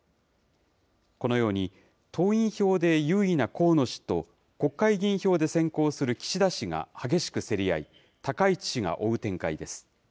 このように、党員票で優位な河野氏と、国会議員票で先行する岸田氏が激しく競り合い、高市氏が追う展開です。